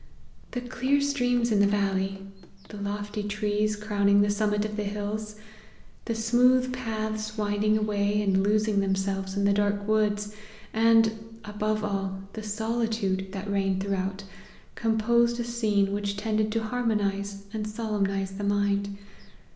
" The clear streams in the valley, the lofty trees crowning the summit of the hills, the smooth paths winding away and losing themselves in the dark woods, and, above all, the solitude that reigned throughout, composed a scene which tended to harmonize and solemnize the mind.